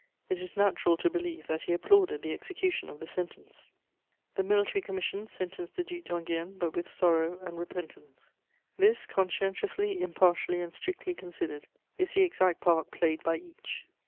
It is natural to believe that he applauded the execution of the sentence. The military commission sentenced the Duc d'Enghien, but with sorrow and repentance. This, conscientiously, impartially and strictly considered, is the exact part played by each.